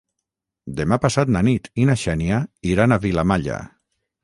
Demà passat na Nit i na Xènia iran a Vilamalla.